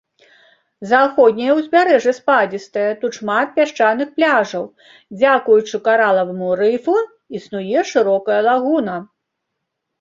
Заходняе ўзбярэжжа спадзістае, тут шмат пясчаных пляжаў, дзякуючы каралаваму рыфу існуе шырокая лагуна.